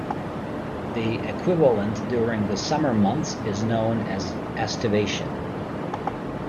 The equivalent during the summer months is known as aestivation.